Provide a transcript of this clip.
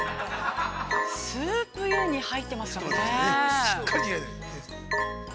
◆スープに入っていますからね。